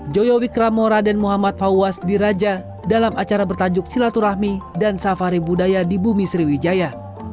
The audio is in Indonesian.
joyo wikramora dan muhammad fauwas diraja dalam acara bertajuk silaturahmi dan safari budaya di bumi sriwijaya